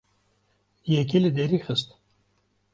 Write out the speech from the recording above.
Yekî li derî dixist.